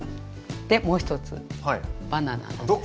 でもう一つバナナなんですけど。